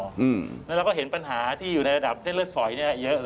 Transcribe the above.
แล้วเราก็เห็นปัญหาที่อยู่ในระดับเส้นเลือดฝอยเยอะ